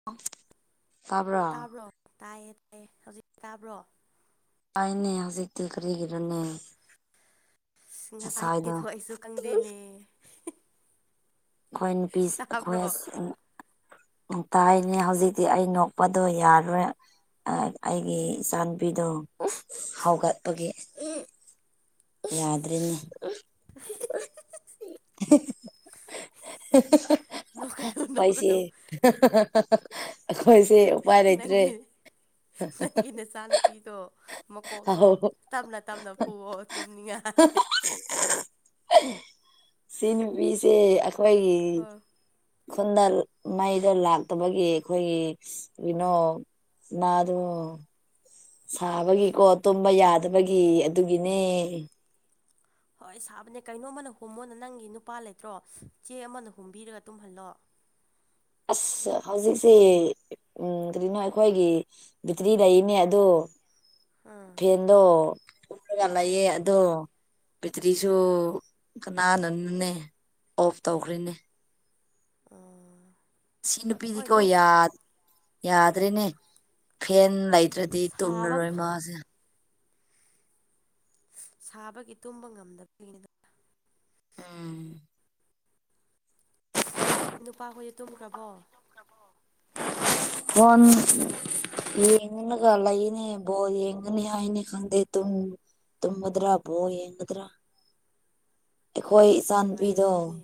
[inaudible] ꯇꯥꯕ꯭ꯔꯥ ꯇꯥꯕ꯭ꯔꯣ ꯇꯥꯏꯌꯦ ꯇꯥꯏꯌꯦ ꯍꯧꯖꯤꯛ ꯇꯥꯕ꯭ꯔꯣ ꯑꯩꯅꯦ ꯍꯧꯖꯤꯛꯇꯤ ꯀꯔꯤꯒꯤꯔꯅꯦ ꯉꯁꯥꯏꯗꯣ ꯉꯁꯥꯏꯒꯤꯗꯣ ꯑꯩꯁꯨ ꯈꯪꯗꯦꯅꯦ ꯑꯩꯈꯣꯏ ꯅꯨꯄꯤ ꯇꯥꯕ꯭ꯔꯣ ꯑꯩꯈꯣꯏ ꯇꯥꯏꯅꯦ ꯍꯧꯖꯤꯛꯇꯤ ꯑꯩ ꯅꯣꯛꯄꯗꯣ ꯌꯥꯔꯔꯣꯏ ꯑꯩꯒꯤ ꯏꯆꯥ ꯅꯨꯄꯤꯗꯣ ꯍꯧꯒꯠꯄꯒꯤ ꯑꯁ ꯌꯥꯗ꯭ꯔꯅꯦ ꯅꯣꯛꯀꯅꯨ [unintelligible] ꯈꯣꯏꯁꯦ ꯅꯣꯛꯀꯅꯨ ꯑꯩꯈꯣꯏꯁꯦ ꯎꯄꯥꯏ ꯂꯩꯇ꯭ꯔꯦ ꯅꯪꯒꯤ ꯅꯪꯒꯤ ꯅꯆꯥꯅꯨꯄꯤꯗꯣ ꯃꯀꯣꯛꯇꯣ ꯇꯞꯅ ꯇꯞꯅ ꯐꯨꯑꯣ ꯇꯨꯝꯅꯤꯉꯥꯏ ꯁꯤ ꯅꯨꯄꯤꯁꯦ ꯑꯩꯈꯣꯏꯒꯤ ꯍꯣꯏ [unintelligible] ꯈꯨꯟꯗ ꯃꯩꯗꯣ ꯂꯥꯛꯇꯕꯒꯤ ꯑꯩꯈꯣꯏꯒꯤ ꯀꯩꯅꯣ ꯏꯨꯃꯗꯣ ꯁꯥꯕꯒꯤꯀꯣ ꯇꯨꯝꯕ ꯌꯥꯗꯕꯒꯤ ꯑꯗꯨꯒꯤꯅꯦ ꯍꯣꯏ ꯁꯥꯕꯅꯦ ꯀꯩꯅꯣꯃꯅꯥ ꯍꯨꯝꯃꯣꯅ ꯅꯪꯒꯤ ꯅꯨꯄꯥ ꯂꯩꯇ꯭ꯔꯣ ꯆꯦ ꯑꯃꯅ ꯍꯨꯝꯕꯤꯔꯒ ꯇꯨꯝꯍꯜꯂꯣ ꯑꯁ ꯍꯧꯖꯤꯛꯁꯦ ꯎꯝ ꯀꯔꯤꯅꯣ ꯑꯩꯈꯣꯏꯒꯤ ꯕꯦꯇ꯭ꯔꯤ ꯂꯩꯔꯤꯅꯦ ꯑꯗꯣ ꯎꯝ ꯑꯗꯣ [unintelligible] ꯂꯩꯌꯦ ꯎꯝ ꯑꯗꯣ ꯕꯦꯇ꯭ꯔꯤꯁꯨ ꯀꯅꯥꯅꯅꯣꯅꯦ ꯑꯣꯐ ꯇꯧꯈ꯭ꯔꯦꯅꯦ ꯎꯝ ꯁꯤ ꯍꯣꯏ ꯅꯨꯄꯤꯗꯤꯀꯣ ꯅꯣꯏ ꯌꯥ ꯌꯥꯗ꯭ꯔꯦꯅꯦ ꯐꯦꯟ ꯂꯩ ꯇ꯭ꯔꯗꯤ ꯁꯥꯕ ꯇꯨꯝꯂꯔꯣꯏ ꯃꯥꯁꯦ ꯁꯥꯕꯒꯤ ꯇꯨꯝꯕ ꯉꯝꯗꯕꯒꯤꯅꯤ [unintelligible] ꯅꯨꯄꯥꯈꯣꯏꯗꯤ ꯇꯨꯝꯈ꯭ꯔꯕꯣ ꯐꯣꯟ ꯌꯦꯡꯉꯒ ꯂꯩꯅꯦ ꯕꯣꯜ ꯌꯦꯡꯒꯅꯤ ꯍꯥꯏꯅꯦ ꯈꯪꯗꯦ ꯇꯨꯝ ꯇꯨꯝꯃꯗꯔꯥ ꯕꯣꯜ ꯌꯦꯡꯒꯗ꯭ꯔꯥ ꯑꯩꯈꯣꯏ ꯅꯨꯡꯉꯥꯏꯅꯦ ꯏꯆꯥꯅꯨꯄꯤꯗꯣ ꯑꯗꯨꯗꯤ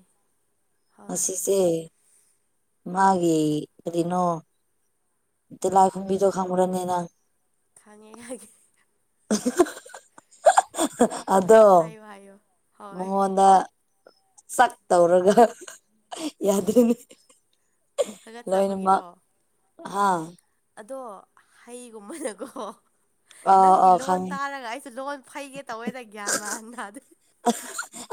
ꯍꯣꯏ ꯉꯁꯤꯁꯦ ꯎꯝ ꯃꯥꯒꯤ ꯀꯔꯤꯅꯣ ꯇꯤꯂꯥꯏ ꯈꯨꯨꯨꯝꯕꯤꯗꯣ ꯈꯪꯕ꯭ꯔꯅꯦ ꯅꯪ ꯈꯪꯉꯦ ꯈꯪꯉꯦ [unintelligible] ꯑꯗꯣ ꯍꯥꯏꯌꯣ ꯍꯥꯏꯌꯣ ꯍꯣꯏ ꯃꯉꯣꯟꯗ ꯆꯥꯛ ꯇꯧꯔꯒ ꯌꯥꯗ꯭ꯔꯦꯅꯦ ꯂꯣꯏꯅꯃꯛ ꯍꯥꯒꯠꯆꯕꯒꯤꯔꯣ ꯍꯥ ꯑꯗꯣ ꯍꯩꯒꯨꯝꯕꯅꯀꯣ ꯑꯥ ꯅꯪꯒꯤ ꯑꯥ ꯂꯣꯟ ꯈꯪꯉꯤ ꯇꯥꯔꯒ ꯑꯩꯁꯨ ꯂꯣꯟ ꯐꯩꯒꯦ ꯇꯧꯋꯦꯗ ꯒ꯭ꯌꯥꯟ ꯃꯥꯟ ꯇꯥꯗꯦ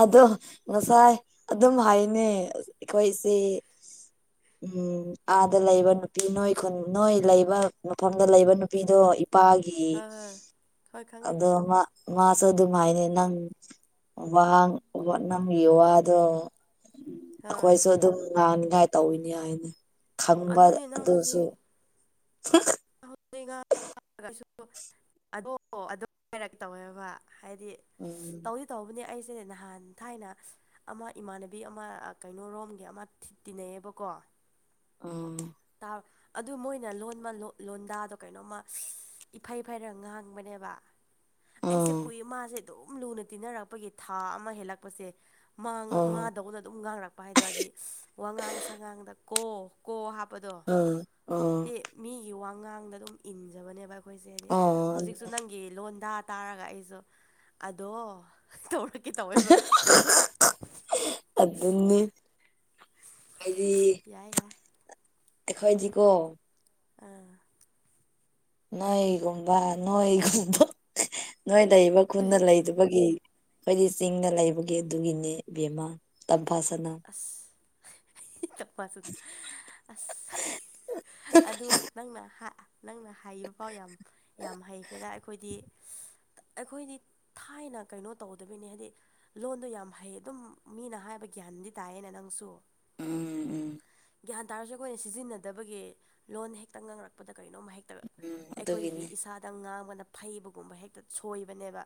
ꯑꯗꯣ ꯉꯁꯥꯏ ꯑꯗꯨꯝ ꯍꯥꯏꯅꯦ ꯑꯩꯈꯣꯏꯁꯦ ꯎꯝ ꯑꯥꯗ ꯂꯩꯕ ꯅꯨꯄꯤ ꯅꯣꯏ ꯈꯨꯟ ꯅꯣꯏ ꯂꯩꯕ ꯃꯐꯝꯗ ꯂꯩꯕ ꯅꯨꯄꯤꯗꯣ ꯏꯄꯥ ꯒꯤ ꯍꯣꯏ ꯍꯣꯏ ꯍꯣꯏ ꯈꯪꯉꯦ ꯑꯗꯣ ꯃꯥ ꯃꯥꯁꯨ ꯑꯗꯨꯝꯃꯥꯏꯅ ꯅꯪ ꯋꯥꯡ ꯅꯪꯒꯤ ꯋꯥꯗꯣ ꯍꯣꯏ ꯑꯩꯈꯣꯏꯁꯨ ꯑꯗꯨꯝ ꯉꯥꯡꯅꯤꯉꯥꯏ ꯇꯧꯋꯤꯅꯤ ꯍꯥꯏꯅꯦ ꯈꯪꯕ ꯑꯗꯨꯅꯦ ꯅꯪ ꯑꯗꯨꯁꯨ ꯍꯧꯖꯤꯛ [inaudible] [unintelligible] [unintelligible] ꯇꯧꯋꯦꯕ ꯍꯥꯏꯗꯤ ꯎꯝ ꯇꯧꯗꯤ ꯇꯧꯕꯅꯦ ꯑꯩꯁꯦ ꯅꯍꯥꯟ ꯊꯥꯏꯅ ꯑꯃ ꯏꯃꯥꯟꯅꯕꯤ ꯑꯃ ꯀꯩꯅꯣꯔꯣꯝꯒꯤ ꯑꯃ ꯇꯤꯟꯅꯩꯌꯦꯕꯀꯣ ꯎꯝ ꯇꯥꯎ ꯑꯗꯨ ꯃꯣꯏꯅ ꯂꯣꯟꯕ ꯂꯣꯟꯗꯥꯗꯣ ꯀꯩꯅꯣꯝꯃ ꯏꯐꯩ ꯐꯩꯔ ꯉꯥꯡꯕꯅꯦꯕ ꯑꯩꯁꯦ ꯑꯥ ꯀꯨꯏ ꯃꯥꯁꯦ ꯑꯗꯨꯝ ꯂꯨꯅ ꯇꯤꯟꯅꯔꯛꯄꯒꯤ ꯊꯥ ꯑꯃ ꯍꯦꯜꯂꯛꯄꯁꯦ ꯑꯥ ꯃꯥꯗꯧꯅ ꯑꯗꯨꯝ ꯉꯥꯡꯔꯛꯄ ꯍꯥꯏꯗꯣꯗꯤ ꯋꯥꯉꯥꯡ ꯁꯉꯥꯡꯗ ꯀꯣ ꯀꯣ ꯍꯥꯞ ꯑꯗꯣ ꯑꯥ ꯑꯥ ꯃꯤꯒꯤ ꯋꯥꯉꯥꯡꯗ ꯑꯗꯨꯝ ꯏꯟꯖꯕꯅꯦꯕ ꯑꯩ ꯑꯩꯈꯣꯏꯁꯦ ꯍꯥꯏꯗꯤ ꯑꯥ ꯍꯧꯖꯤꯛꯁꯨ ꯅꯪꯒꯤ ꯂꯣꯟꯗ ꯇꯥꯔꯒ ꯑꯩꯁꯨ ꯑꯗꯣ ꯇꯧꯔꯛꯀꯦ ꯇꯧꯋꯦꯕ ꯑꯗꯨꯅꯤ ꯍꯥꯏꯗꯤ ꯌꯥꯏ ꯌꯥꯏ ꯑꯩꯈꯣꯏꯗꯤꯀꯣ ꯑꯥ ꯅꯣꯏꯒꯨꯝꯕ ꯅꯣꯏꯒꯨꯝꯕ ꯅꯣꯏ ꯂꯩꯕ ꯈꯨꯟꯗ ꯂꯩꯗꯨꯕ ꯕꯒꯤ ꯈꯣꯏꯗꯤ ꯆꯤꯡꯗ ꯂꯩꯕꯒꯤ ꯑꯗꯨꯒꯤꯅꯦ ꯕꯦꯝꯃꯥ ꯇꯝꯐꯥꯁꯅꯥ ꯑꯁ ꯃꯗ ꯑꯁ ꯑꯗꯨ ꯅꯪꯅ ꯅꯪꯅ ꯍꯥꯏꯕ ꯐꯥꯎ ꯌꯥꯝ ꯌꯥꯝ ꯍꯩꯈ꯭ꯔꯦꯗ ꯑꯩꯈꯣꯏꯗꯤ ꯑꯩꯈꯣꯏꯗꯤ ꯊꯥꯏꯅ ꯀꯩꯅꯣ ꯇꯧꯗꯕꯅꯤ ꯍꯥꯏꯗꯤ ꯂꯣꯟꯗꯣ ꯌꯥꯝ ꯍꯩ ꯑꯗꯨꯝ ꯃꯤꯅ ꯍꯥꯏꯕ ꯒ꯭ꯌꯥꯟꯗꯤ ꯇꯥꯏꯌꯦꯅꯦ ꯅꯪꯁꯨ ꯎꯝ ꯎꯝ ꯒ꯭ꯌꯥꯟ ꯇꯥꯔꯁꯨ ꯑꯩꯈꯣꯏꯅ ꯁꯤꯖꯤꯟꯅꯗꯕꯒꯤ ꯂꯣꯟ ꯍꯦꯛꯇ ꯉꯥꯡꯔꯛꯄꯗ ꯀꯔꯤꯅꯣꯝꯃ ꯍꯦꯛ ꯅ ꯎꯝ ꯑꯩꯈꯣꯏꯒꯤ ꯑꯗꯨꯒꯤꯅꯦ ꯏꯁꯥꯗ ꯉꯥꯡꯕꯅ ꯐꯩꯕꯒꯨꯝꯕ ꯍꯦꯛꯇ ꯁꯣꯏꯕꯅꯦꯕ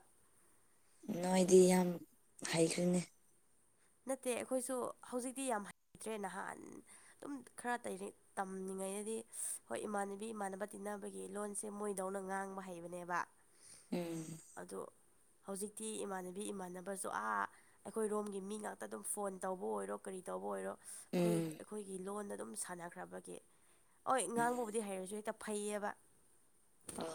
ꯅꯣꯏꯗꯤ ꯌꯥꯝ ꯍꯩꯈ꯭ꯔꯦꯅꯦ ꯅꯠꯇꯦ ꯑꯩꯈꯣꯏꯁꯨ ꯍꯧꯖꯤꯛꯇꯤ ꯌꯥꯝ ꯍꯩꯇ꯭ꯔꯦ ꯅꯍꯥꯟ ꯑꯗꯨꯝ ꯈꯔ ꯇꯩ ꯇꯝꯂꯤꯉꯩꯗꯗꯤ ꯍꯣꯏ ꯏꯃꯥꯟꯅꯕꯤ ꯏꯃꯥꯟꯅꯕ ꯇꯤꯟꯅꯕꯒꯤ ꯂꯣꯟꯁꯦ ꯃꯣꯏꯗꯧꯅ ꯉꯥꯡꯕ ꯍꯩꯕꯅꯦꯕ [unintelligible] ꯎꯝ ꯑꯗꯣ ꯍꯧꯖꯤꯛꯇꯤ ꯏꯃꯥꯟꯅꯕꯤ ꯏꯃꯥꯟꯅꯕꯁꯨ ꯑꯥ ꯑꯩꯈꯣꯏꯔꯣꯝꯒꯤ ꯃꯤꯅ ꯇꯗꯨꯝ ꯐꯣꯟ ꯇꯧꯕ ꯑꯣꯏꯔꯣ ꯀꯔꯤ ꯇꯧꯕ ꯑꯣꯏꯔꯣ ꯑꯩꯈꯣꯏ ꯎꯝ ꯑꯩꯈꯣꯏꯒꯤ ꯂꯣꯟꯗꯥ ꯑꯗꯨꯝ ꯁꯥꯅꯈ꯭ꯔꯕꯒꯤ ꯍ ꯉꯥꯡꯕꯕꯨꯗꯤ ꯍꯩꯔꯁꯨ ꯍꯦꯛꯇ ꯐꯩꯌꯦꯕ ꯑꯝ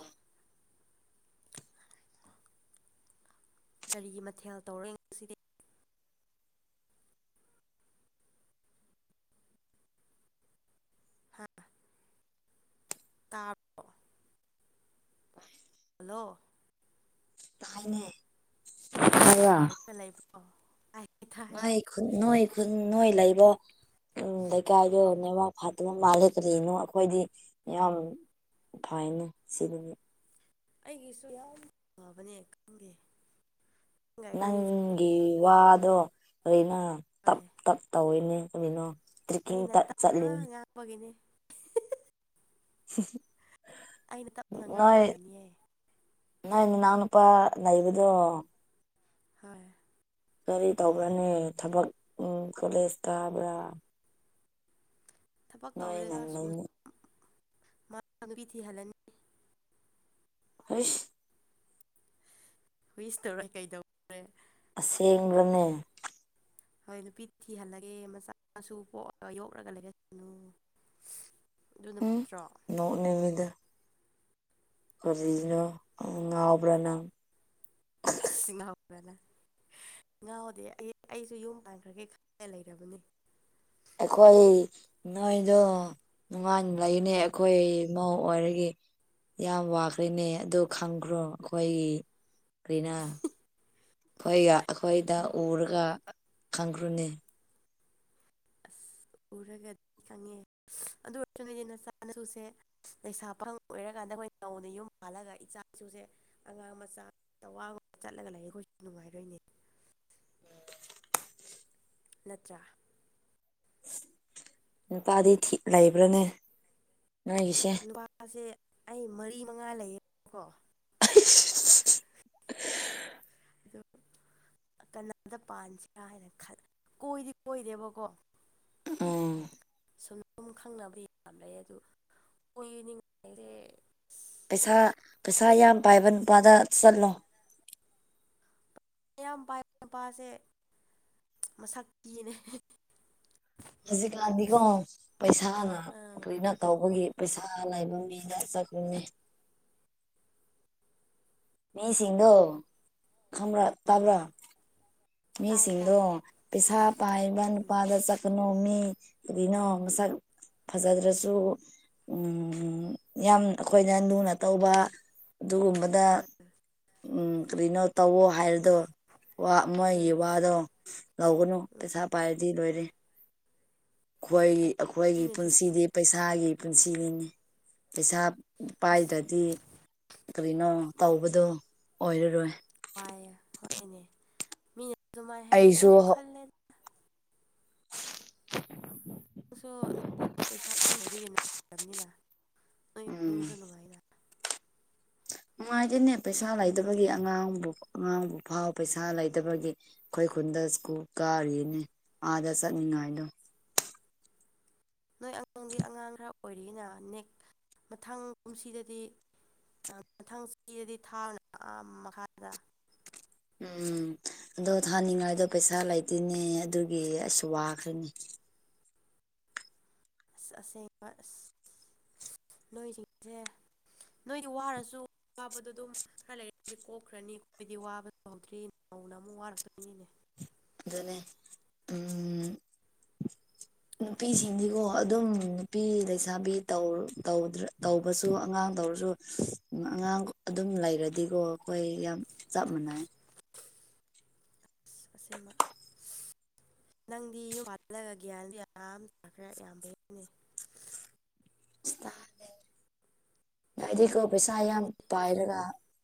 ꯀꯔꯤꯒꯤ ꯃꯊꯦꯜ ꯇꯧꯔꯦ ꯉꯁꯤꯗꯤ ꯍꯥꯥ ꯇꯥꯕ꯭ꯔꯣ [unintelligible] ꯅꯣ [inaudible] ꯇꯥꯏꯅꯦ ꯇꯥꯕ꯭ꯔꯥ ꯀ ꯂꯩꯕ꯭ꯔꯣ [inaudible] ꯅꯣꯏ ꯈꯨꯟ ꯅꯣꯏ ꯈꯨꯟ ꯅꯣꯏ ꯂꯩꯕꯣ ꯎꯝ ꯂꯩꯀꯥꯏꯗꯣ ꯅꯦꯠꯋꯥꯛ ꯐꯥꯠꯇꯕ ꯃꯥꯂꯦ ꯀꯔꯤꯅꯣ ꯑꯩꯈꯣꯏꯗꯤ ꯌꯥꯝ ꯐꯥꯏꯅꯦ ꯁꯤꯗꯒꯤ ꯑꯩꯒꯤꯁꯨ ꯌꯥꯝ ꯐꯥꯕꯅꯦ ꯈꯪꯗꯦ ꯑꯩꯈꯣꯏꯅꯤꯁꯦ ꯅꯪꯒꯤ ꯋꯥꯗꯣ ꯀꯔꯤꯅꯣ ꯇꯞ ꯍꯣꯏ ꯇꯞ ꯇꯧꯋꯦꯅꯦ ꯀꯔꯤꯅꯣ ꯇ꯭ꯔꯦꯛꯀꯤꯡ ꯑꯩꯅ ꯇꯥꯞꯅ ꯆꯠꯂꯤꯅꯤ ꯉꯥꯡꯕꯒꯤꯅꯦ ꯍꯨꯝ [unintelligible] ꯑꯩꯅ ꯇꯞꯅ ꯉꯥꯡꯕ ꯑꯣꯏꯔꯝꯅꯤꯌꯦ ꯅꯪ ꯅꯅꯥꯎ ꯅꯨꯄꯥ ꯂꯩꯕꯗꯣ ꯍꯣꯏ ꯒꯥꯔꯤ ꯇꯧꯕ꯭ꯔꯅꯦ ꯊꯕꯛ ꯎ ꯀꯣꯂꯦꯖ ꯒꯥꯕ꯭ꯔꯥ ꯊꯕꯛ ꯅꯣꯏꯅ ꯇꯧꯇꯦꯗꯃꯥ ꯂꯩꯃꯤꯟ ꯅꯨꯄꯤ ꯊꯤꯍꯜꯂꯅꯤ ꯍꯣꯏ [inaudible] ꯨꯋꯤꯁ ꯇꯧꯔꯦ ꯀꯩꯗꯧꯔꯦ [inaudible] ꯑꯁꯦꯡꯕꯅꯦ ꯍꯣꯏ ꯅꯨꯄꯤ ꯊꯤꯍꯜꯂꯒꯦ ꯃꯆꯥ ꯃꯁꯨ ꯄꯣꯛꯑ ꯌꯣꯛꯂꯒ ꯂꯩꯒꯠꯅꯨ [inaudible] ꯑꯗꯨꯅ ꯐꯠꯇ꯭ꯔꯣ ꯅꯣꯡꯅꯤꯡꯢꯗ ꯀꯔꯤꯅꯣ ꯑ ꯉꯥꯎꯕ꯭ꯔ ꯅꯪ ꯁꯤꯅꯥꯎ ꯄꯦꯂꯥ [inaudible] ꯉꯥꯎꯗꯦ ꯑꯩ ꯑꯩꯁꯨ ꯌꯨꯝ ꯄꯥꯟꯈ꯭ꯔꯒꯦ ꯈꯟꯂ ꯂꯩꯔꯕꯅꯤ ꯑꯩꯈꯣꯏ ꯅꯣꯏꯗꯣ ꯅꯨꯡꯉꯥꯏꯅ ꯂꯩꯅꯦ ꯑꯩꯈꯣꯏ ꯃꯧ ꯑꯣꯏꯔꯒꯦ ꯌꯥꯝ ꯋꯥꯈ꯭ꯔꯦꯅꯦ ꯑꯗꯨ ꯈꯪꯈ꯭ꯔꯣ ꯑꯩꯈꯣꯏ ꯀ꯭ꯔꯤꯅ ꯎꯝ ꯑꯩꯈꯣꯏ ꯑꯩꯈꯣꯏꯗ ꯎꯔꯒ ꯈꯪꯈ꯭ꯔꯣꯅꯦ ꯑꯁ ꯎꯔꯒꯗꯤ ꯈꯪꯉꯦ ꯑꯗꯨ ꯑꯣꯏꯔꯁꯨ ꯅꯣꯏꯗꯤ ꯅꯆꯥꯅꯁꯨꯁꯦ ꯂꯩꯩꯁꯥ ꯄꯐꯪ ꯑꯣꯏꯔꯀꯥꯟꯗ ꯑꯩꯈꯣꯏ ꯅꯧꯅ ꯌꯨꯝ ꯍꯥꯜꯂꯒ ꯏꯆꯥ ꯏꯁꯨꯁꯦ ꯑꯉꯥꯡ ꯃꯆꯥ ꯇꯋꯥꯡ ꯆꯠꯂꯒ ꯂꯩꯌꯦ ꯑꯩꯈꯣꯏꯁꯨ ꯅꯨꯡꯉꯥꯏꯔꯣꯏꯅꯦ ꯅꯠꯇ꯭ꯔꯥ ꯅꯨꯄꯥꯗꯤ ꯊꯤ ꯂꯩꯕ꯭ꯔꯅꯦ ꯅꯣꯏꯒꯤꯁꯦ ꯅꯨꯄꯥꯁꯦ ꯑꯩ ꯃꯔꯤ ꯃꯉꯥ ꯂꯩꯌꯦꯀꯣ [inaudible] [unintelligible] ꯀꯅꯥꯗ ꯄꯥꯟꯁꯤꯔꯥ ꯍꯥꯏꯅ ꯈꯟ ꯀꯣꯏꯗꯤ ꯀꯣꯏꯔꯦꯕꯀꯣ ꯎꯝ ꯁꯨꯝ ꯁꯨꯝ ꯈꯪꯅꯕ ꯌꯥꯝ ꯂꯩ ꯑꯗꯨ ꯑꯣꯏꯅꯤꯡꯉꯥꯏꯁꯦ ꯄꯩꯁꯥ ꯄꯩꯁꯥ ꯌꯥꯝ ꯄꯥꯏꯕ ꯅꯨꯄꯥꯗ ꯆꯠꯂꯣ ꯃꯌꯥꯝ ꯄꯥꯏ ꯅꯨꯄꯥꯁꯦ ꯃꯁꯛ ꯊꯤꯅꯦ ꯍꯧꯖꯤꯛꯀꯥꯟꯗꯤꯀꯣ ꯄꯩꯁꯥꯅ ꯑꯥ ꯀꯅ ꯇꯧꯕꯒꯤ ꯄꯩꯁꯥ ꯂꯩꯅꯥꯕ ꯃꯤꯗ ꯆꯠꯂꯨꯅꯦ ꯃꯤꯁꯤꯡꯗꯣ ꯈꯪꯕꯔ ꯎꯝ ꯇꯥꯕ꯭ꯔꯥ ꯇꯥꯏꯌꯦ ꯇꯥꯏ ꯃꯤꯁꯤꯡꯗꯣ ꯄꯩꯁꯥ ꯄꯥꯏꯕ ꯎꯝ ꯅꯨꯄꯥꯗ ꯆꯠ ꯅꯣꯝ ꯃꯤ ꯑꯗꯨꯅ ꯃꯁꯛ ꯐꯖꯗ꯭ꯔꯁꯨ ꯌꯥꯝ ꯑꯩꯈꯣꯏꯅ ꯂꯨꯅ ꯇꯧꯕ ꯑꯗꯨꯒꯨꯝꯕꯗ ꯎꯝ ꯎꯝ ꯀꯔꯤꯅꯣ ꯇꯧꯋꯣ ꯍꯥꯏꯔꯗꯣ ꯋꯥ ꯃꯣꯏꯒꯤ ꯎꯝ ꯋꯥꯗꯣ ꯂꯧꯒꯅꯨ ꯄꯩꯁꯥ ꯎꯝ ꯄꯥꯏꯔꯗꯤ ꯂꯣꯏꯔꯦ ꯑꯩꯈꯤꯏ ꯑꯗꯨ ꯑꯩꯈꯣꯏꯒꯤ ꯃꯤꯅꯗꯤ ꯄꯨꯟꯁꯤꯗꯤ ꯄꯩꯁꯥꯒꯤ ꯄꯨꯟꯁꯤꯅꯤꯅꯦ ꯄꯩꯁꯥ ꯑꯁ ꯄꯥꯏꯗ꯭ꯔꯗꯤ ꯀꯅꯣ ꯇꯧꯕꯗꯣ ꯑꯣꯏꯔꯔꯣꯏ ꯄꯥꯏꯑꯦ ꯍꯣꯏꯅꯦ ꯑꯗꯨꯥꯏꯅ ꯍꯥꯏ ꯑꯩꯁꯨ ꯑꯩꯅꯁꯨ ꯈꯜꯂꯦ [inaudible] ꯅꯪꯁꯨ ꯅꯪꯗꯤ ꯄꯩꯁꯥ ꯑꯗꯨꯝ ꯂꯩꯕꯤꯒ ꯂꯩꯕꯅꯤꯅ ꯅꯣꯏ ꯎꯝ ꯏꯃꯨꯡꯁꯨ ꯅꯨꯡꯉꯥꯏꯅ ꯅꯨꯡꯉꯥꯏꯇꯦꯅꯦ ꯄꯩꯁꯥ ꯂꯩꯗꯕꯒꯤ ꯑꯉꯥꯡꯕꯨ ꯑꯉꯥꯡꯕꯨ ꯐꯥꯎ ꯄꯩꯁꯥ ꯂꯩꯗꯕꯒꯤ ꯑꯩꯈꯣꯏ ꯈꯨꯟꯗ ꯁ꯭ꯀꯨꯜ ꯀꯥꯔꯤꯅꯦ ꯑꯥꯗ ꯆꯠꯅꯤꯡꯉꯥꯏꯗꯣ ꯅꯣꯏ ꯑꯉꯥꯡꯗꯤ ꯑꯉꯥꯡ ꯈꯔ ꯑꯣꯏꯔꯤꯅ ꯅꯦꯛ ꯃꯊꯪ ꯀꯨꯝꯁꯤꯗꯗꯤ ꯃꯊꯪ ꯆꯍꯤꯗꯗꯤ ꯊꯥꯕꯅ ꯑꯥ ꯃꯈꯥꯗ ꯎꯝ ꯑꯗꯣ ꯊꯥꯅꯤꯡꯉꯥꯏꯗꯣ ꯄꯩꯁꯥ ꯂꯩꯇꯦꯅꯦ ꯑꯗꯨꯒꯤ ꯑꯩꯁꯨ ꯋꯥꯈ꯭ꯔꯅꯦ ꯑꯁ ꯑꯁꯦꯡꯕ ꯑꯁ ꯅꯣꯏꯁꯤꯡꯁꯦ ꯅꯣꯏꯗꯤ ꯋꯥꯔꯁꯨ ꯋꯥꯕꯗꯣ ꯑꯗꯨꯝ ꯈꯔ ꯂꯩꯔꯗꯤ ꯀꯣꯛꯈ꯭ꯔꯅꯤ ꯑꯩꯈꯣꯏꯗꯤ ꯋꯥꯕꯁꯨ ꯍꯧꯗ꯭ꯔꯤ ꯅꯧꯅ ꯑꯃꯨꯛ ꯋꯥꯔꯛꯇꯣꯏꯅꯤꯅꯦ ꯑꯗꯨꯗꯅꯦ ꯎꯝ ꯅꯨꯄꯤꯁꯤꯡꯁꯤꯀꯣ ꯑꯗꯨꯝ ꯅꯨꯄꯤ ꯂꯩꯁꯥꯕꯤ ꯇꯧ ꯇꯧꯗ꯭ꯔꯦ ꯇꯧꯕꯁꯨ ꯑꯉꯥꯡ ꯇꯧꯔꯁꯨ ꯑꯉꯥꯡ ꯑꯗꯨꯝ ꯂꯩꯔꯗꯤꯀꯣ ꯑꯩꯈꯣꯏ ꯌꯥꯝ ꯆꯞ ꯃꯟꯅꯩ ꯑꯁ ꯑꯁꯦꯡꯕ ꯅꯪꯗꯤ ꯌꯨꯝ ꯄꯜꯂꯒ ꯒ꯭ꯌꯥꯟꯁꯨ ꯌꯥꯝ ꯇꯥꯈ꯭ꯔꯦ ꯌꯥꯝ ꯐꯩꯌꯦꯅꯦ ꯅꯣꯏꯗꯤꯀꯣ ꯄꯩꯁꯥ ꯌꯥꯝ ꯑꯗꯨꯅꯤ ꯄꯥꯏꯔꯒ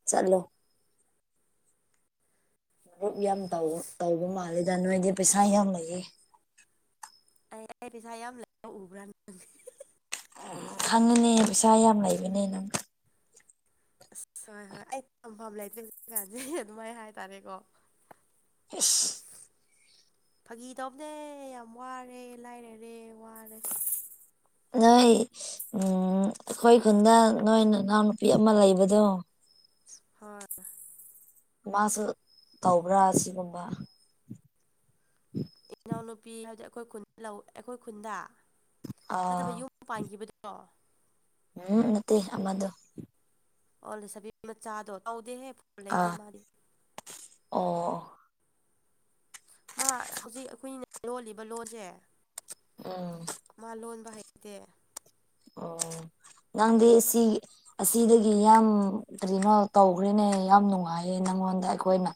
ꯆꯠꯂꯣ ꯒ꯭ꯔꯨꯞ ꯌꯥꯝ ꯇꯧꯕ ꯃꯥꯜꯂꯤꯦꯗ ꯅꯣꯏꯗꯤ ꯄꯩꯁꯥ ꯌꯥꯝ ꯂꯩꯌꯦ ꯑꯩ ꯑꯩ ꯄꯩꯁꯥ ꯌꯥꯝ ꯂꯩ ꯎꯕ꯭ꯔꯥ ꯅꯪ ꯈꯪꯉꯅꯦ ꯄꯩꯁꯥ ꯌꯥꯝ ꯂꯩꯕꯅꯦ ꯅꯪ ꯑꯁ ꯍꯣꯏ ꯍꯣꯏ ꯑꯩꯝꯐꯝ ꯂꯩꯇ꯭ꯔꯦ ꯍꯧꯖꯤ ꯀꯥꯟꯁꯦ ꯑꯗꯨꯃꯥꯏꯅ ꯍꯥꯏꯇꯥꯔꯦꯀꯣ [inaudible] ꯐꯥꯒꯤ ꯇꯧꯅꯦ ꯌꯥꯝ ꯋꯥꯔꯦ ꯂꯥꯏꯔꯔꯦ ꯋꯥꯔꯦ ꯅꯣꯏ ꯑꯩꯈꯣꯏ ꯈꯨꯟꯗ ꯅꯣꯏ ꯏꯅꯥꯎꯅꯨꯄꯤ ꯑꯃ ꯂꯩꯕꯗꯣ ꯍꯣꯏ ꯃꯥꯁꯨ ꯇꯧꯕ꯭ꯔꯥ ꯑꯁꯤꯒꯨꯝꯕ [inaudible] ꯏꯅꯥꯎꯅꯨꯄꯤ ꯍꯥꯏꯗꯤ ꯑꯩꯈꯣꯏ ꯈꯨꯟ ꯂꯧ ꯑꯩꯈꯣꯏ ꯈꯨꯟꯗ ꯅꯠꯇꯕ ꯑꯥ ꯌꯨꯝ ꯄꯥꯟꯈꯤꯕꯗꯣ ꯎꯝ ꯅꯠꯇꯦ ꯑꯃꯗ ꯑꯣꯜꯂꯤꯁꯕꯤ ꯃꯆꯥꯗꯣ ꯇꯧꯗꯦꯦ ꯑꯥ ꯑꯣ ꯃꯥ ꯍꯧꯖꯤꯛ ꯑꯩꯈꯣꯏꯅ ꯂꯣꯜꯂꯤꯕ ꯂꯣꯟꯁꯦ ꯑꯣ ꯃꯥ ꯂꯣꯟꯕ ꯍꯩꯇꯦ ꯑꯣ ꯅꯪꯗꯤ ꯁꯤ ꯑꯁꯤꯗꯒꯤ ꯌꯥꯝ ꯀꯔꯤꯅꯣ ꯇꯧꯈ꯭ꯔꯦꯅꯦ ꯌꯥꯝ ꯅꯨꯡꯉꯥꯏꯌꯦ ꯅꯪꯉꯣꯟꯗ ꯑꯩꯈꯣꯏꯅ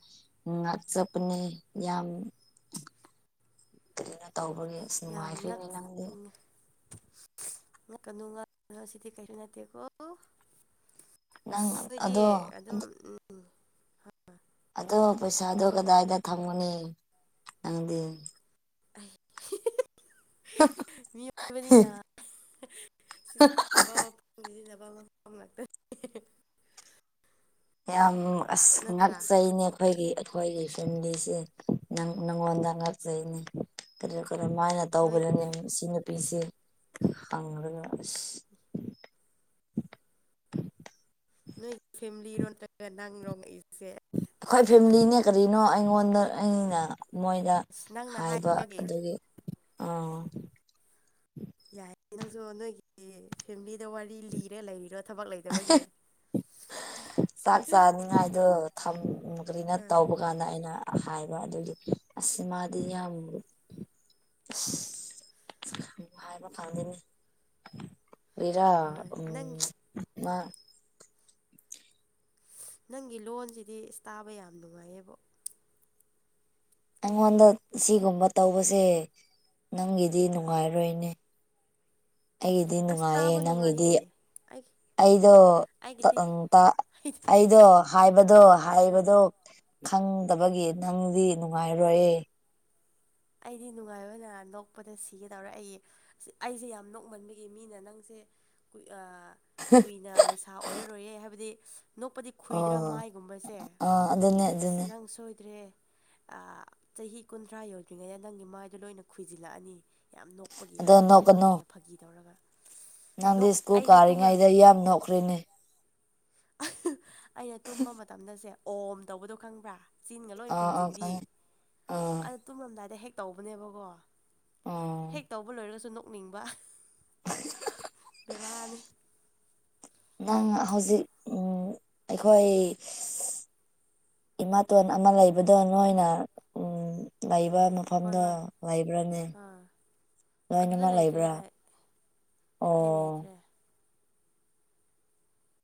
ꯎ ꯉꯥꯛꯆꯞꯄꯅꯦ ꯌꯥꯝ ꯀꯩꯅꯣ ꯇꯧꯕꯒꯤꯦ ꯌꯥꯝ ꯉꯛꯉꯦ ꯉꯥꯛꯀꯅꯨ ꯉꯅꯣ ꯁꯤꯗꯤ ꯀꯩꯁꯨ ꯅꯠꯇꯦꯀꯣ ꯅꯪ ꯑꯁ ꯅꯗꯤ ꯑꯗꯣ ꯑꯗꯨꯝ ꯎꯝ ꯑꯗꯣ ꯄꯩꯁꯥꯗꯣ ꯀꯗꯥꯏꯗ ꯊꯝꯒꯨꯅꯤ ꯅꯪꯗꯤ ꯑꯩ ꯃꯤꯑꯣꯏꯕꯅꯤꯅ ꯁꯤꯖꯤꯟꯅꯕ ꯖꯤ ꯅꯕꯂꯣ ꯀꯝ ꯂꯛꯇꯦ ꯍꯤ-ꯍꯤ-ꯍꯤ ꯌꯥꯝ ꯑꯁ ꯉꯥꯛꯆꯩꯅꯦ ꯑꯩꯈꯣꯏꯒꯤ ꯑꯩꯈꯣꯏꯒꯤ ꯐꯦꯃꯤꯂꯤꯁꯦ ꯅꯪꯉꯣꯟꯗ ꯉꯥꯛꯆꯩꯅꯤ ꯀ ꯀꯔꯃꯥꯏꯅ ꯅꯣꯏꯒꯤ ꯇꯧꯕꯅꯅꯦ ꯁꯤ ꯅꯨꯄꯤꯁꯦ ꯍꯪꯉꯒ ꯑꯁ [inaudible] ꯅꯣꯏ ꯐꯦꯃꯤꯂꯤꯔꯣꯝꯇꯒ ꯅꯪ ꯂꯣꯡꯉꯛꯏꯁꯦ ꯑꯩꯈꯣꯏ ꯐꯦꯃꯤꯂꯤꯅꯦ ꯀꯔꯤꯅꯣ ꯑꯩꯉꯣꯟꯗ ꯑꯩꯅ ꯃꯣꯏꯗ ꯑꯁ ꯅꯪꯅ ꯍꯥꯏꯕ ꯍꯥꯏꯕꯒꯤ ꯑꯗꯨꯗꯒꯤ ꯑ ꯌꯥꯏ ꯅꯪꯁꯨ ꯅꯣꯏꯒꯤ ꯐꯦꯃꯤꯂꯤꯗ ꯋꯥꯔꯤ ꯂꯤꯔꯦ ꯂꯩꯔꯤꯔꯣ ꯂꯩꯕꯒꯤ ꯆꯥꯛ ꯆꯥꯅꯤꯡꯉꯥꯏꯗꯣ ꯊꯝ ꯀꯔꯤꯅ ꯍꯥ ꯇꯧꯕ ꯀꯥꯟꯗ ꯑꯩꯅ ꯍꯥꯏꯕ ꯑꯗꯨꯒꯤ ꯑꯁ ꯃꯥꯗꯤ ꯌꯥꯝ ꯑꯁ ꯍꯥꯕ ꯈꯅꯤ ꯄꯔ ꯍꯣꯏ ꯎ ꯅꯪ ꯃꯥ ꯅꯪꯒꯤ ꯂꯣꯟꯁꯤꯗꯤꯇꯥꯥꯕ ꯌꯥꯝ ꯅꯨꯡꯉꯥꯏꯌꯦꯕꯣ ꯑꯩꯉꯣꯟꯗ ꯁꯤꯒꯨꯝꯕ ꯇꯧꯕꯁꯦ ꯅꯪꯒꯤꯗꯤ ꯅꯨꯡꯉꯥꯏꯔꯣꯏꯅꯦ ꯑꯩꯒꯤꯗꯤ ꯑꯁ ꯅꯨꯡꯉꯥꯏꯌꯦ ꯇꯥꯕ ꯅꯪꯒꯤꯗꯤ ꯅꯨꯡꯉꯥꯏꯌꯦ ꯑꯩ ꯑꯩꯗꯣ ꯑꯩꯒꯤꯗꯤ ꯇꯇ ꯑꯩꯗꯤ ꯑꯩꯗꯣ ꯍꯥꯏꯕꯗꯣ ꯑ ꯍꯥꯏꯕꯗꯣ ꯈꯪꯗꯕꯒꯤ ꯅꯪꯗꯤ ꯅꯨꯡꯉꯥꯏꯔꯣꯏ ꯑꯩꯗꯤ ꯅꯨꯡꯉꯥꯏꯕ ꯑꯣꯏꯅ ꯅꯣꯛꯄꯗ ꯁꯤꯒꯦꯗꯧꯔꯦ ꯑꯩ ꯑꯩꯁꯦ ꯌꯥꯝ ꯅꯣꯛꯃꯟꯕꯒꯤ ꯃꯤꯅ ꯅꯪꯁꯦ ꯀꯨꯏ ꯀꯨꯏꯅ ꯂꯩꯁꯥ ꯑꯣꯏꯔꯔꯣꯏꯌꯦꯦ ꯍꯥꯏꯕꯗꯤ ꯅꯣꯛꯄꯗꯤ ꯈꯨꯨꯏꯗ꯭ꯔꯥ ꯑꯣ ꯃꯥꯏꯒꯨꯝꯕꯁꯦ ꯑꯥ ꯑꯗꯨꯅꯦ ꯑꯁ ꯑꯗꯨꯅꯦ ꯅꯪ ꯁꯣꯏꯗ꯭ꯔꯦ ꯆꯍꯤ ꯀꯨꯟꯊ꯭ꯔꯥ ꯌꯧꯗ꯭ꯔꯤꯉꯩꯗ ꯅꯪꯒꯤ ꯃꯥꯏꯗꯣ ꯂꯣꯏꯅ ꯈꯣꯏꯖꯤꯜꯂꯛꯑꯅꯤ ꯌꯥꯝ ꯅꯣꯛ ꯀꯞꯄꯒꯤ ꯑꯗꯣ ꯍꯥꯏꯕꯅꯦꯕ ꯅꯣꯛꯀꯅꯨ ꯃꯤꯅ ꯐꯥꯒꯤ ꯇꯧꯔꯒ ꯅꯪꯗꯤ ꯅꯣꯛ ꯁ꯭ꯀꯨꯜ ꯑꯩꯁꯦ ꯇꯨꯝꯔ ꯀꯥꯔꯤꯉꯩꯗ ꯌꯥꯝ ꯅꯣꯛꯈ꯭ꯔꯦꯅꯦ ꯑꯩꯅ ꯇꯨꯝꯕ ꯃꯇꯝꯗꯁꯦ ꯑꯣꯝ ꯇꯧꯕꯗꯣ ꯈꯪꯕ꯭ꯔꯥ ꯆꯤꯟꯒ ꯂꯣꯏ ꯑꯥ ꯑꯥ ꯈꯨꯝꯖꯤꯟꯗꯤ ꯈꯪꯉꯦ ꯑꯥ ꯇꯨꯝꯂꯝꯝꯗꯥꯏꯗ ꯍꯦꯛ ꯇꯧꯕꯅꯦꯕꯀꯣ ꯑꯥ ꯍꯦꯛ ꯇꯧꯕ ꯂꯣꯏꯔꯒꯁꯨ ꯅ ꯀꯣꯛꯅꯤꯡꯕ ꯕꯦꯔꯥꯅꯤ ꯅꯪ ꯍꯧꯖꯤꯛ ꯎꯝ ꯑꯩꯈꯣꯏ ꯏꯃꯥꯇꯣꯟ ꯑꯃ ꯂꯩꯕꯗꯣ ꯅꯣꯏꯅ ꯎ ꯂꯩꯕ ꯍꯣꯏ ꯃꯐꯝꯗꯣ ꯍꯣꯏ ꯂꯩꯕ꯭ꯔꯥꯅꯦ ꯑꯥ ꯑꯗꯨꯗ ꯂꯣꯏꯅꯃꯛ ꯂꯩꯇ꯭ꯔꯦ ꯂꯩꯕ꯭ꯔꯥ ꯑꯩ ꯑꯩ ꯑꯣ ꯂꯩꯇ꯭ꯔꯦ